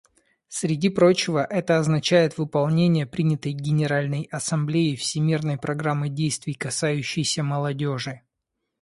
Среди прочего, это означает выполнение принятой Генеральной Ассамблеей Всемирной программы действий, касающейся молодежи.